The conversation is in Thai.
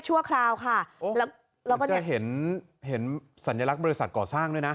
ชั่วคราวค่ะแล้วก็เนี่ยเห็นเห็นสัญลักษณ์บริษัทก่อสร้างด้วยนะ